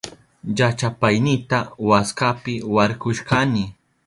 Llachapaynita waskapi warkushkani.